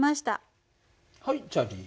はいじゃあリンゴ。